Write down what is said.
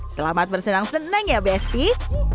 selamat bersenang senang ya besti